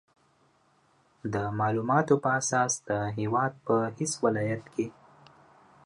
د مالوماتو په اساس د هېواد په هېڅ ولایت کې